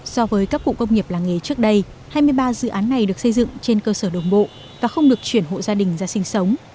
so với các cụm công nghiệp làng nghề trước đây hai mươi ba dự án này được xây dựng trên cơ sở đồng bộ và không được chuyển hộ gia đình ra sinh sống